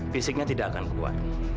fisiknya tidak akan keluar